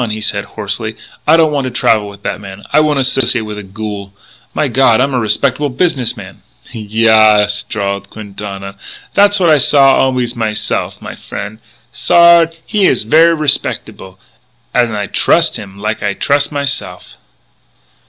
he said hoarsely. "I don't want to travel with that man! I won't associate with a ghoul! My God, I'm a respectable business man " "Yaas," drawled Quintana, "tha's what I saw always myse'f; my frien' Sard he is ver' respec'able, an' I trus' him like I trus' myse'f."